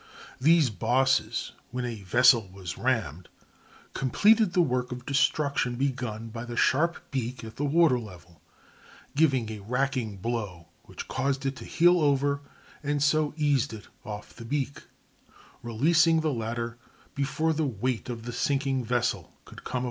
These bosses, when a vessel was rammed, completed the work of destruction begun by the sharp beak at the water level, giving a racking blow which caused it to heel over and so eased it off the beak, releasing the latter before the weight of the sinking vessel could come upon it."